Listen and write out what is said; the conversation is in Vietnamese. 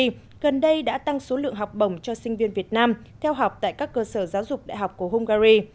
gần đây đã tăng số lượng học bổng cho sinh viên việt nam theo học tại các cơ sở giáo dục đại học của hungary